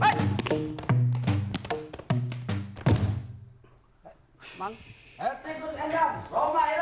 ikut dira ma